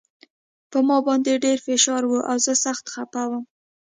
په ما باندې ډېر فشار و او زه سخت خپه وم